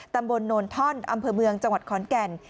ตำบลโนนท่อนอำเภอเมืองจังหวัดขอนแก่น